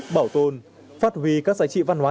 bảo tồn phát huy các giá trị văn hóa